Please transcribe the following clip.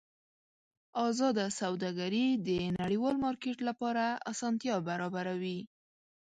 ازاده سوداګري د نړیوال مارکېټ لپاره اسانتیا برابروي.